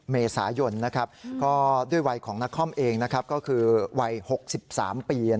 ๓๐เมษายนด้วยวัยของนักคอมเองก็คือวัย๖๓ปี